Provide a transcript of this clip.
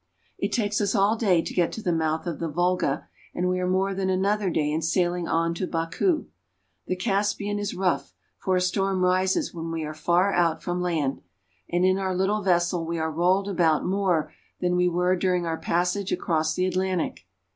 It takes us all day to get to the mouth of the Volga, and we are more than another day in sailing on to Baku. The Caspian is rough, for a storm rises when we are far out from land, and in our little vessel we are rolled about more than we were during our passage across the Atlantic.